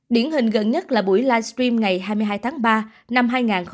điển hình gần nhất là buổi livestream ngày hai mươi hai tháng ba năm hai nghìn hai mươi